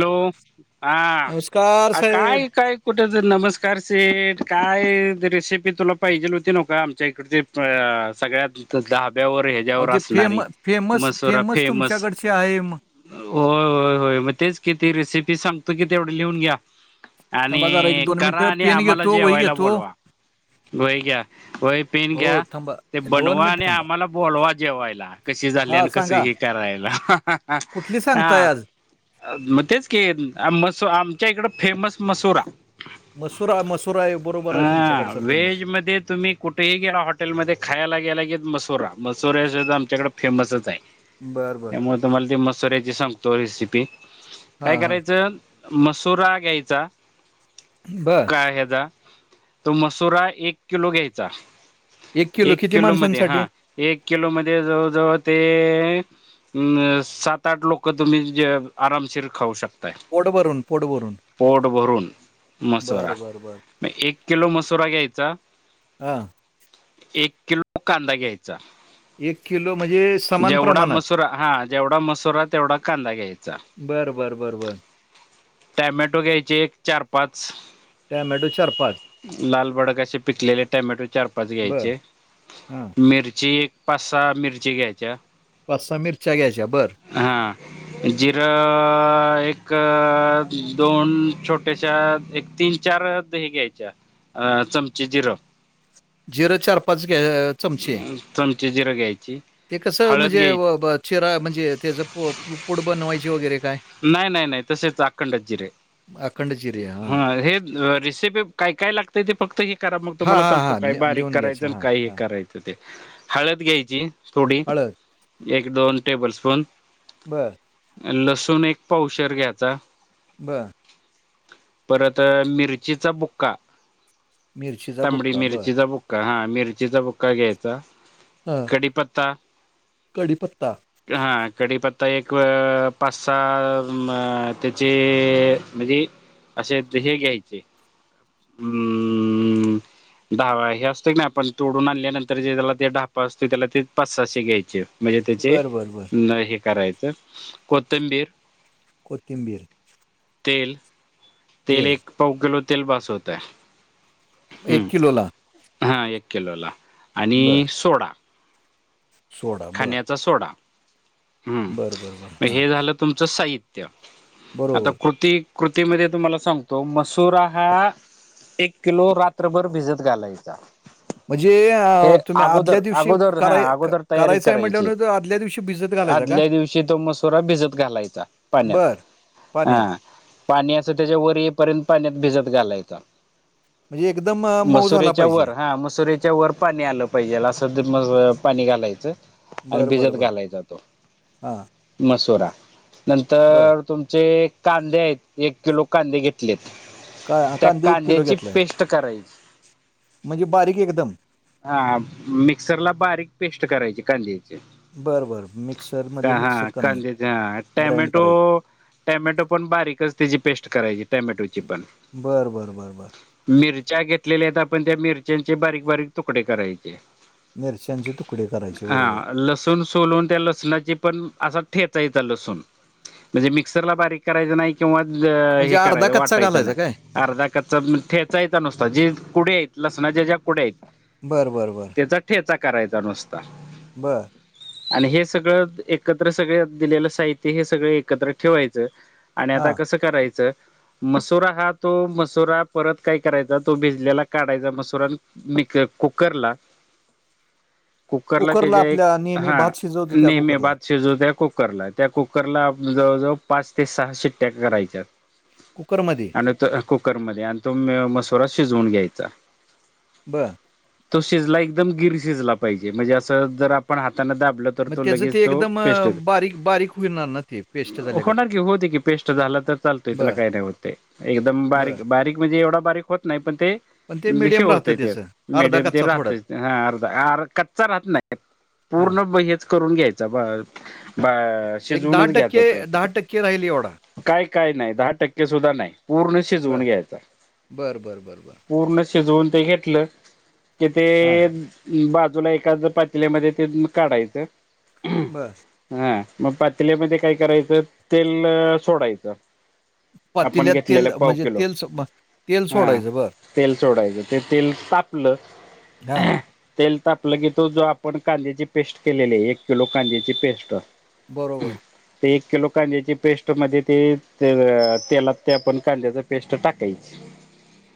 Hello! हा नमस्कार अ साहेब काय काय कुठं तर नमस्कार सेठ काय रेसिपी तुला पाहिजेल होती नोका आमच्या इकडचे. अ सगळ्यात तिथं ढाब्यावर हे अहो एवढं ते फेम असणारी फेमस मसुरा फेमस. तुमच्याकडचे आहे म- होय होय होय मग तेच किती रेसिपी सांगतो कि तेवढ लिहून घ्या. आणि थांबा जरा एक दोन करा मिनिटं आणि पेन आम्हाला घेतो वही जेवायला घेतो बोलवा. वही घ्या, वही, पेन हो घ्या. थांबा ते दोन बनवा मिनिटं आणि थांबा आम्हाला बोलवा जेवायला कशी झाली हा आणि कस सांगा हे करायला. [unintelligible] कुठली सांगताय आज? मग तेच की मसू आमच्या इकड फेमस मसूरा. मसूरा, मसूर आहे बरोबर आहे हा तुमच्याकडचा फेमस. व्हेज मध्ये तुम्ही कुठेही गे हॉटेलमध्ये खायला गेला की मसुरा. मसुरा सुद्धा आमच्याकडे फेमसच आहे. बरं बर. त्यामुळे तुम्हाला ते मसुऱ्याची सांगतो रेसिपी. हा काय हा करायचं मसूरा घ्यायचा. बर. काही ता, तो मसुरा एक किलो घ्यायचा. एक किलो मध्ये हा. एक किलो मध्ये जवळ-जवळ ते अ सात, आठ लोक तुम्ही ज आरामशीर खाऊ शकता. पोट भरून पोट भरून पोट भरून बर मसुरा. बर बर म एक किलो मस- सुरा घ्यायचा, हा एक किलो कांदा घ्यायचा. एक किलो म्हणजे? समान जेवढा प्रमाणात मसूरा हा जेवढा मसूरा तेवढा कांदा घ्यायचा. बर बर बर बर [inaudible] टॅमॅटो घ्यायचे एक चार, पाच. टॅमॅटो चार, पाच. लाल भडक असे पिकलेले टमॅटो चार, पाच बर घ्यायचे हा मिरची, - पाच, सहा मिरची घ्यायच्या. पाच, सहा मिरच्या घ्यायच्या बरं. हा. जिरा एक, दोन छोटेश एक तीन, चार ते हे घ्यायच. अ चमचे जिरे. जिरं चार, पाच घ चमचे. चमचे जिरं घ्यायची ते कसं हळद म्हणजे घ्यायची चेरा म्हणजे ते ज पुड बनवायचे वगैरे काय? नाही नाही नाही तसेच अखंड जिरे. अखंड चिरे हां. हा हे रेसिपी, - काय काय लागतंय ते फक्त हे करा मग हां, तुम्हाला हां, सांगतो हां. काय लि बारीक लिहून करायचं घ्यायचं आणि हां, काय हे हां. करायचं. ते हळद घ्यायची थोडी हळद. एक, दोन टेबल स्पून. बंर. आणि लसूण एक पावशर घ्यायचा. बर. परत मिरचीचा बुक्का, मिरचीचा तांबडी बुक्का बरं. मिरचीचा बुक् का हा मिरचीचा बुक्का घ्यायचा, हां. कडीपत्ता, कढीपत्ता. - हा कडीपत्ता एक अ पा- सा मा त्याचे म्हणजे असे हे घ्यायचे हम्म दहावा हे असतो क ना आपण तोडून आणल्यानंतर जे त्याला ते ढहापा असतो त्याला ते पाच सहाशे घ्यायचे म्हणजे त्याचे बरं, बरं, बरं. हे करायचं कोथंबीर, कोथिंबीर, तेल, तेल एक पाऊ किलो तेल बास होतंय, ह किलोला. हा एक किलोला आणि बरं. सोडा. सोडा बर. खायचा सोडा हम्म बरं, बरं. मग हां. हे झालं तुमचं साहित्य आता बरोबर. कृती कृतीमध्ये तुम्हाला सांगतो मसुरा हा एक किलो रात्रभर भिजत घालायचा. म्हणजे हे तुम्ही अगोदर आदल्या दिवशी अगोदर हा कराय अगोदर तयारी करायचं आहे करायची म्हटल्या आदल्या दिवशी भिजत घालायचा का? आदल्या दिवशी तो मसुरा भिजत घालायचा पाण्यात बर. पाण्यात. हा पाणी असं त्याच्यावर येईपर्यंत पाण्यात भिजत घालायचं. म्हणजे एकदम अ, मऊ झाला मसुरेच्या पाहिजे. वर हा मसुरे च्या वर पाणी आलं पाहिजे असं म पाणी घालायचं. आणि बरं, बरं, भिजत बरं. घालायचा तो, हां. मसुरा बरं. नंतर तुमचे कांदे आहेत एक किलो कांदे घेतलेत का त्या कांदे एक किलो कांद्याची घेतलाय पेस्ट करायची. म्हणजे बारीक एकदम. हा मिक्सर ला बारीक पेस्ट करायची कांद्याची. बरं बरं मिक्सरमध्ये हा मिक्स करणे कज हा ग्राइंड टॅमेटो करायची टॅमॅटो पण बारीकच त्याची पेस्ट करायची टॅमॅटोची पण, बरं बरं बरं बरं मिरच्या घेतलेल्या आहेत आपण त्या मिरच्याचे बारीक बारीक तुकडे करायचे. मिरच्यांचे तु हा. लासू सून सोलून त्या लसणाची पण अस ठेचायचा लसूण म्हणजे मिक्सरला बारीक करायचं नाही किंवा म्हणजे हे अर्धा करायचं कच्चा वाटायचं घालायचा नाही. काय अर्धा कच्चा ठेचायचा नुसता जे कुड आहेत लसणाच्या ज्या कुड्या आहेत बरं बरं बरं. तेचा ठेचा करायचा नुसता. बरं‌. आणि हे सगळं एकत्र सगळ दिलेलं साहित्य हे सगळ एकत्र ठेवायचं आणि आता हां कसं करायचं मसुरा हा तो मसुरा परत काय करायचा तो भिजलेला काढायचा मसुरा आणि मी कुकर ला कुकरला त्याच्या एक आपल्या नेहमी हा भात शिजवतो त्या नेहमीे कुकरला बाच शेजूद्या कुकरला त्या कुकरला आप जवळजवळ पाच ते सहा शिट्ट्याक करायच्या. कुकरमध्ये. आणि त कुकरमध्ये आणि तो मसुरा शिजवून घ्यायचा. बरं. तो शिजला एकदम गिर शिजला पाहिजे म्हणजे असं जर आपण हातान दाबल तर मग तो त्याचं लगेच ते तो एकदम पेस्ट अ, बारीक बारीक होणार ना ते पेस्ट झाल्यागत होणार की होते की पेस्ट झाला तर चाल तेथला बर काही नाही होते. एकदम बर बारीक बारीक म्हणजे एवढा बारीक होत नाही पण ते पण ते शेव मिडियम राहतं होतय ते त्याचं अर्धा मिडीयम ते कच्चा थोडा राहतय ह अर्धा आर कच्चा राहत नाही. हां पूर्ण हेच करून घ्यायच. ब आ एक दहा टक्के. दहा टक्के राहिल एवढा. काय काय नाही दहा टक्के सुद्धा नाही. पूर्ण शिजवून बर घ्यायचा. बर बर बर बर पूर्ण शिजवून ते घेतलं. कि ते हां अ बा जून एकाद पातल्यामध्ये ते धुऊन काढायचं. बस. हा मग पातल्यामध्ये काय करायचं तेल सोडायचं. आपण पातेल्यात तेल घेतलेलं पाव म्हणजे किलो तेल तेल हा. सोडायचं बरं. तेल सोडायचं ते तेल तापलं. हा. तेल तापलं की, तो जो आपण कांद्याची पेस्ट केलेली आहे एक किलो कांद्याची पेस्ट. बरोबर. ते एक किलो कांद्याची पेस्ट मध्ये ते तेलात ते आपण कांद्याच पेस्ट टाकायची.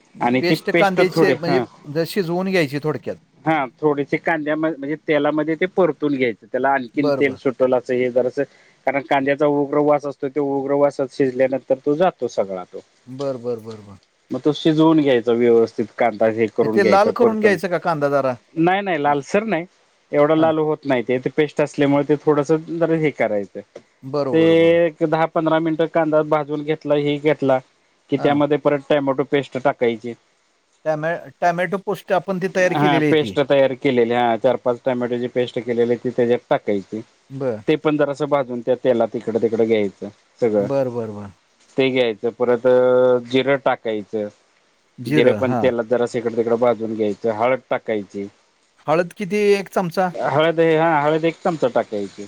[inaudible] ती पेस्ट कांद्याची थोडे म्हणजे हा जशी शिजवून घ्यायची थोडक्यात. हा थोडेसे कांद्यामध्ये म्हणजे तेलामध्ये ते परतून घ्यायचं त्याला आणखीन बरं, तेल बरं. सुट लाच हे जरासं कारण कांद्याचा उग्रवास असतो त्या उग्रवास शिजल्यानंतर तो जातो सगळा तो. बरं बरं बरं बरं. मग तो शिजवून घ्यायचं. व्यवस्थित कांदा हे करून ते लाल घ्यायच करून परतून. घ्यायचं का कांदा जरा? नाही नाही ल- लालसर नाही एवढं हां. लाल होत नाही ते. त्यात पेस्ट असल्यामुळे ते थोडस जरा हे करायचं. बरोबर, बरोबर. ते दहा पंधरा मिनटं कांद्यात भाजून घेतला हे घेतला. कि हां. त्यामध्ये परत टोमॅटो पेस्ट टाकायची. टॅमॅ टॅमॅटो पोस्ट आपण ती तयार केलेली आहे ती. पिकलेल्या चार पाच टोमॅटो ची पेस्ट केलेली ती त्याच्यात टाकायची. बरं. ती पण जरासा बाजून त्या तेलात इकडं तिकडं घ्यायचं. सगळं बरं बरं बरं. ते घ्यायचं परत अ जिरं टाकायचं. जिरं पण तेलात जरास ईकड तिकड भाजून घ्यायचं. हळद टाकायची. हळद किती? एक चमचा. हळद हे हा हळद एक चमचा टाकायची.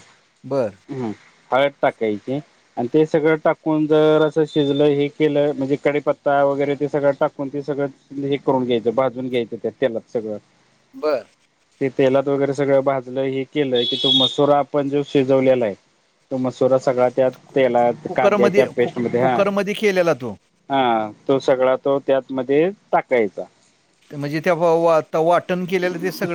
बरं. हम्म हळद टाकायची. आणि ते सगळं टाकून. जरासं शिजलं हे केलं. म्हणजे कडिपत्ता वगैरे ते सगळं टाकून ते सगळं हे करून घ्यायचं भाजून घ्यायचं त्या तेलात सगळं. बरं. ते तेलात वगैरे सगळं भाजलं हे केलं. की तो मसुरा आपण जो शिजवलेला आहे. तो मसुरा सगळा त्या कु तेलात कुकरमध्ये कांद्याच्या पेस्ट कुक मध्ये हा कुकरमध्ये केलेला तो. हा तो सगळा तो त्यातमध्ये टाकायचा. ते म्हणजे बहु वात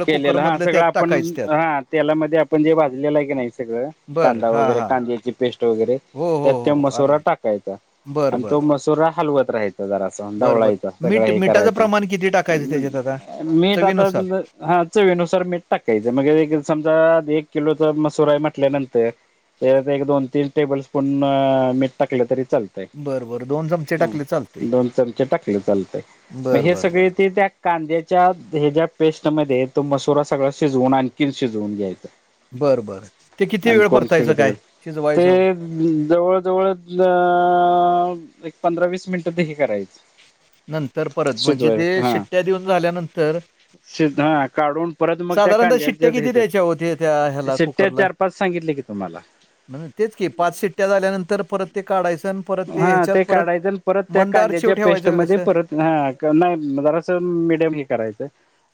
केलेलं हा सगळं त्यात आपण टाकायचं त्यात. हा तेलामध्ये आपण जे भाजलेलं आहे की नाही ते सगळं बरं. कांदा हां, वगैरे, हां. कांद्याची पेस्ट वगैरे, हो हो त्यात त्या हो आले मसुरा टाकायचा. बरं आणि तो बरं मसुरा हलवत राहायचा जरा बरं ढवळायचं बरं सगळं मीठ हे मिठाचं प्रमाण किती करायचं टाकायचं त्याच्यात आता मीठ चवीनुसार हां चवीनुसार मीठ टाकायचं. मग हे समजा एक किलोचा मसूर आहे म्हटल्यानंतर त्याच्यात एक दोन तीन टेबल स्पून मीठ टाकलं तरी चालतं बरं बरं दोन चमचे य टाकले चालते दोन चमचे टाकले चालतंय. मग बरं हे बरं बरं सगळे ते त्या कांद्याच्या हेच्या पेस्टमध्ये तो मसुरा सगळा शिजवून आणखीन शिजवून घ्यायचं. बरं बरं ते किती आणि वेळ कोण परतायचं काय? ते शिजवायचं? जवळ जवळ अ एक पंधरा वीस मिनिटं ते हे करायचं. नंतर परत म्हणजे ते शिजवायचं हा. शिट्टया देऊन झाल्यानंतर शिज हां काढून परत मग त्या साधारणतः शिट्ट्या कांद्याच्यात किती द्यायच्या होते त्या हेच्यांत ह्याला शिट्टया कुकरला चार पाच सांगितले की तुम्हाला. म्हणजे तेच की पाच शिट्टया झाल्यानंतर परत ते काढायचं अन हां ते काढायचं अन परत त्या चिव कांद्याच्या ठेवायचं का पेस्टमध्ये कसं परत हां नाही जरास मेडीयम करायचं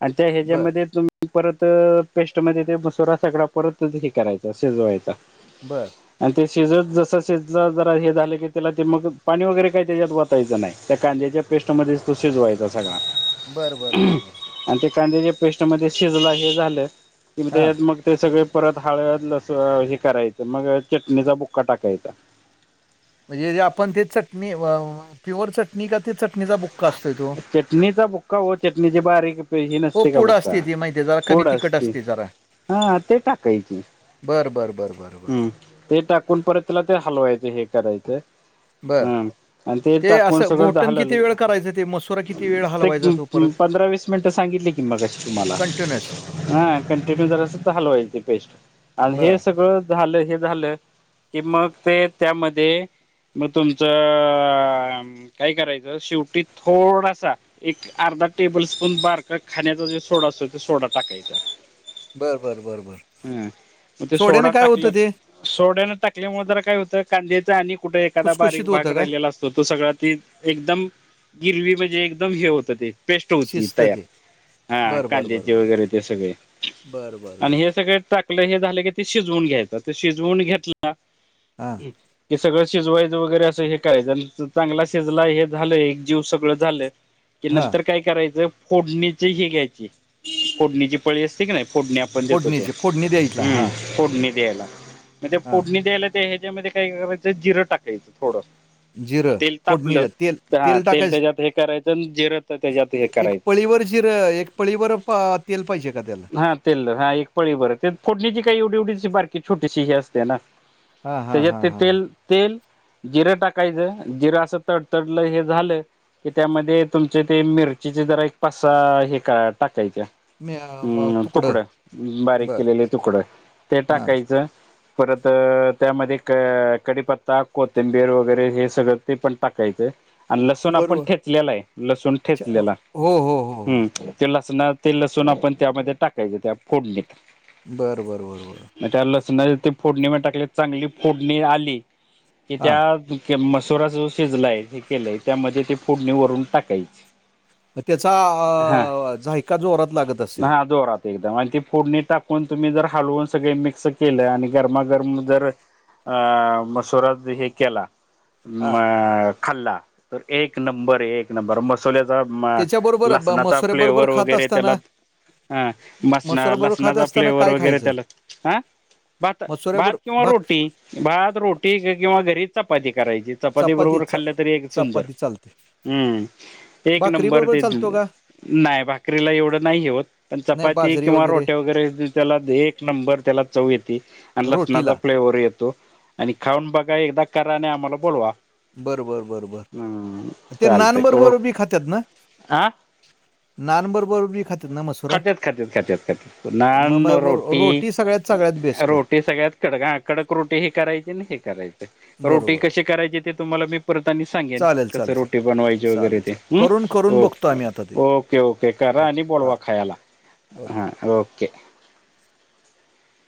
आणि त्या बर ह्याच्यामध्ये तुम्ही परत पेस्टमध्ये ते मसुरा सगळा परत हे करायचा शिजवायचा- बरं. आणि ते शिजत जस शिजलं जरा हे झालं की त्याला ते मग पाणी वगैरे काही त्याच्यात वतायचे नाही, त्या कांद्याच्या पेस्टमध्येच तो शिजवायचा सगळा बरं बरं बरं बरं. आणि ते कांद्याच्या पेस्टमध्ये शिजला हे झालं की हां त्याच्यात मग ते सगळे परत हळद लस हे करायचं मग चटणीचा बुक्का टाकायचा. म्हणजे जे आपण ते चटणी प्युअर चटणी का ते चटणीचा बुक चटणीचा बुक्का ओ चटणीचे बारीक प हे हो नसते का पूड बुक्का? असते ती माहिती आहे जरा कमी तिखट असते जरा. हां ते टाकायची. बरं बर बरं बरं. हम्म ते टाकून परत त्याला ते हलवायचं हे करायचं बर हम्म आणि ते टाकून असं सगळ घोटण झालं! किती वेळ करायचं ते मसुरा किती वेळ ते हलवायचा तो परत पंधरा वीस मिनिटं सांगितली की मगाशी तुम्हाला कंटिन्युअस हां कंटिन्यू जरासं असं तर हलवायच ते पेस्ट आणि बर हे सगळं झालं हे झालं की मग ते त्यामध्ये मग तुमचं काय करायचं, शेवटी थोडासा एक अर्धा टेबल स्पून बारका खाण्याचा जे सोडा असतो, ते सोडा टाकायचा. बरं बरं बरं बरं सोड्याने काय होतं ते? सोड्याने टाकल्या जरा काय होतं कांद्याच आणि कुठे एखादा बारीक खुसखुशीत भाग होतं काय राहिलेला असत तर तो सगळा तेन एकदम गिरवी म्हणजे एकदम हे होतं ते. पेस्ट होती शिस्त तयार. ते हां बर बर बर कांद्याचे बर वगैरे ते सगळे बर बर बर आणि हे सगळे टाक लं हे झाले का ते शिजवून घ्यायचं ते शिजवून घेतला हां की सगळं शिजवायचं वगैरे असं हे करायचं अन् चांगला शिजला हे झालं एक जीव सगळं झालं [inaudible] की हां नंतर काय करायचं फोडणीचे हे घ्यायची फोडणीची पळी असते की नाही फोडणी आपण देतो ते, फोडणीचे फोडणी द्यायला हम्म! हां फोडणी द्यायला मग हां फोडणी द्यायला ते ह्याच्यामध्ये काय करायचं जिरं टाकायचं थोडं. जिरं तेल तापलं फोडणीचं तेल तर हां तेल टाकायचं त्याच्यात हे करायचं आणि जिरं त्याच्यात हे एक करायचं. पळीवर जिर एक पळीभर तेल पाहिजे का त्याला? हा तेल. हा, एक पळीबर. त्यात फोडणीची काय एवढी- एवढीशी, बारकी, छोटीशी ही असते ना. हां, हां, तेजेत हां, ते हां. तेल तेल, जिरं टाकायचं. जिरं असं, तडतडलं हे झालं की, त्यामध्ये, तुमचे ते मिरचीचे, जरा एक पाच् - सहा हे का टाकायाच्या. मी अ, व अम् तुकडं. बारीक बरं. केलेले तुकडं. ते हां. टाकायचं परत अं त्यामध्ये क-कडीपत्ता कोथिंबीर वगैरे, हे सगळं, ते पण टाकायचं. आणि लसूण आपण बरोबर. ठेचलेलाय. लसूण अच्छा. हो, ठेचलेला. हो, हो, हो. हं. ते लसनात ते लसूण आपण त्यामध्ये टाकायचं. त्या फोडणीत. बर, बर, बर, बर. म त्या लसणाची ती फोडणी म टाकली. चांगली फोडणी आली. की हां. त्या हे मसुरा जो शिजलाय, हे केलंय. त्यामध्ये ते फोडणी वरून टाकायची. म त्याचा हा आ अ अ झायका, जोरात लागत असेल. हा जोरात एकदम अन् ती फोडणी टाकून, तुम्ही जर हलवून सगळे मिक्स केलं. आणि गरमागरम जर अं मसुरा हे केला हां. म खाल्ला. तर एक नंबर, एक नंबर. मसुल्याचा त्याच्याबरोबर ब लसणाचा मसुऱ्याबरोबर फ्लेव्हर खात वगैरे त्याला असताना हा. मसना- मसुऱ्याबरोबर खात लसणाचा असताना फ्लेवर काय वगैरे खायचं? त्याला. अ भात- भात मसुऱ्याबरोबर किंवा भाक रोटी. भात, रोटी की किंवा घरी चपाती करायची. चपाती बरोबर खाल्लं तरी एक सुंदर. चपाती चालते. हम्म. एक नंबर भाकरीबरोबर ते चालतो का? नाय, भाकरीला एवढं नाय ही होत. पण नाही चपाती बाजरी किंवा रोटया वगैरे त्याला दे एक एक नंबर त्याला चव येती. आणि लसणाचा रोटीला. फ्लेवर येतो. आणि खाऊन बघा. एकदा करा, नि आम्हाला बोलवा. बर, बर, बर, बर. हम्म ते चालतंय नानबरोबर ओके बी खात्यात ना? हा नान बरोबर बी खात खात्यात, खात्यात, खात्यात, खात्यात. मग नान, मग रोटी. सगळ्यात सगळ्यात बेस्ट. रो ते सगळ्यात कडक. हा कडक रोटी हे करायची, न हे करायचे. रोटी बरोबर कशी करायची? ते तुम्हाला मी परत आणि सांगेन. चालेल कसं चालेल सर रोटी बनवायची वगैरे चालेल ते. चालेल अम्. करून करून बघतो ओके. आम्ही आता ते ओके, ओके. करा ओके आणि हां बोलवा खा खायाला. ओके हां. ओके.